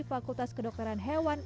fakultas kedokteran hewan